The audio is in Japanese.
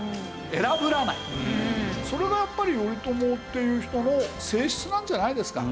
それがやっぱり頼朝っていう人の性質なんじゃないですか。